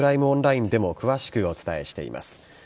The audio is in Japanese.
オンラインでも詳しくお伝えしています。